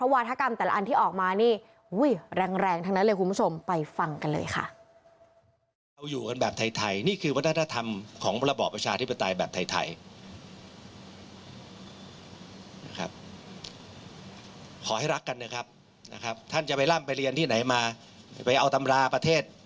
วาธกรรมแต่ละอันที่ออกมานี่แรงทั้งนั้นเลยคุณผู้ชมไปฟังกันเลยค่ะ